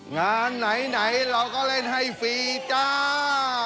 งานไหนเราก็เล่นให้ฟรีจ้า